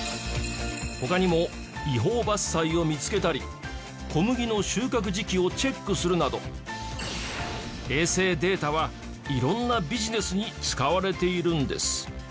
他にも違法伐採を見付けたり小麦の収穫時期をチェックするなど衛星データはいろんなビジネスに使われているんです。